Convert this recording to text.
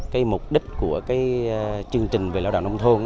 cái mục đích của cái chương trình về lao động nông thôn